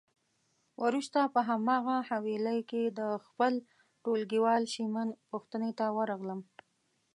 وروسته په هماغه حویلی کې د خپل ټولګیوال شېمن پوښتنه ته ورغلم.